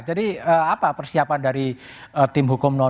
jadi apa persiapan dari tim hukum dua